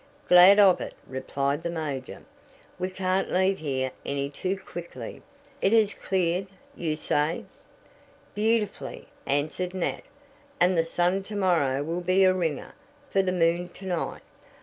"Glad of it," replied the major. "We can't leave here any too quickly. It has cleared, you say?" "Beautifully," answered Nat; "and the sun to morrow will be a 'ringer' for the moon to night.